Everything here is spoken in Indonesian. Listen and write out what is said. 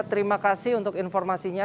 terima kasih untuk informasinya